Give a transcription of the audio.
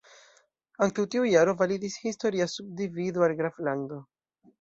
Antaŭ tiu jaro validis historia subdivido al "graflandoj".